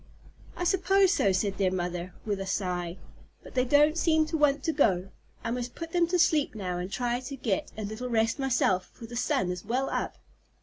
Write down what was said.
"I suppose so," said their mother, with a sigh, "but they don't seem to want to go. I must put them to sleep now and try to get a little rest myself, for the sun is well up."